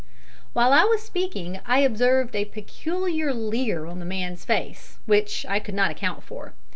While I was speaking I observed a peculiar leer on the man's face, which I could not account for.